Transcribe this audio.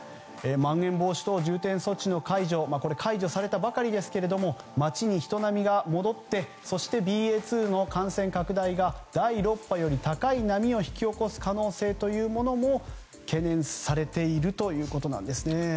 まん延防止等重点措置が解除されたばかりですが街に人波が戻ってＢＡ．２の感染拡大が第６波より高い波を引き起こす可能性というものも懸念されているということなんですね。